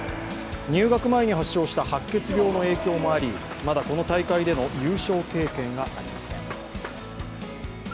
入学前に発症した白血病の影響もありまだこの大会での優勝経験がありません。